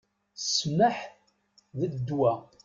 Ssmaḥ, d ddwa!